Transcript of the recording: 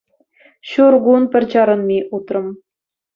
Ҫур кун пӗр чарӑнми утрӑм.